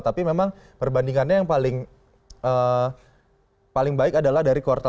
tapi memang perbandingannya yang paling baik adalah dari kuartal tiga